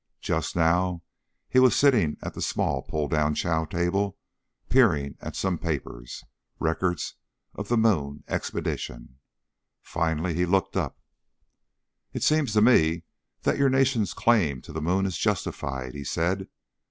Just now he was sitting at the small pulldown chow table peering at some papers, records of the moon expedition. Finally he looked up. "It seems to me that your Nation's claim to the Moon is justified," he said.